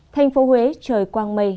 thành phố huế trời quang mây